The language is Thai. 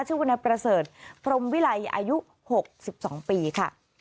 วนายประเสริฐพรมวิลัยอายุ๖๒ปีค่ะ